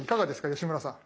吉村さん。